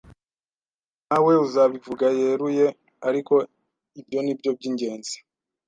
Ntawe uzabivuga yeruye, ariko ibyo nibyo byingenzi.